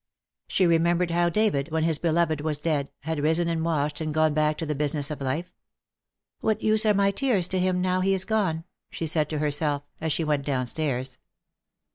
She remembered how David, when his beloved was dead, had risen and washed and gone back to the business of life. '^ What use are my tears to him, now he is gone ?" she said to herself, as she went downstairs.